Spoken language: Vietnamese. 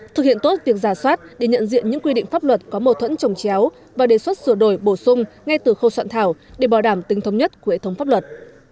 thực hiện tốt việc giả soát để nhận diện những quy định pháp luật có mâu thuẫn trồng chéo và đề xuất sửa đổi bổ sung ngay từ khâu soạn thảo để bảo đảm tính thống nhất của hệ thống pháp luật